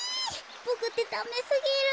ボクってダメすぎる。